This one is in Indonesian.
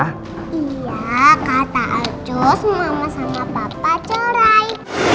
iya kata acus mama sama papa cerai